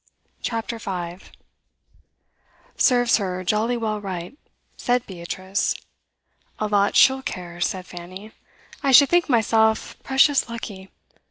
CHAPTER 5 'Serves her jolly well right,' said Beatrice. 'A lot she'll care,' said Fanny. 'I should think myself precious lucky.